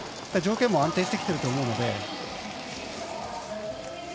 条件も安定してきてると思うので。